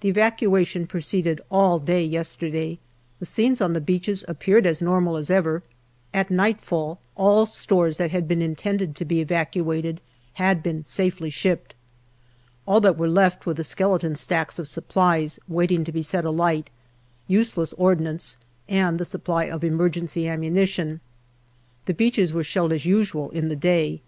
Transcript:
The evacuation proceeded ' all day yesterday. The scenes on the beaches appeared as normal as ever. At nightfall all stores that had been intended to be evacuated had been safely shipped. All that were left were the skeleton stacks of supplies, waiting to be set alight, useless ordnance, and the supply of emergency ammunition. The beaches were shelled as usual in the day.